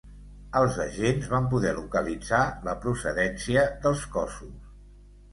Els agents van poder localitzar la procedència dels cossos.